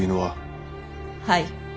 はい。